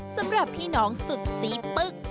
สำหรับพี่น้องสุดซีปึ๊ก